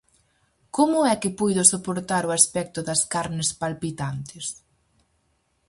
Como é que puido soportar o aspecto das carnes palpitantes?